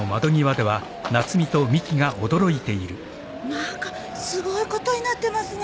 何かすごいことになってますね。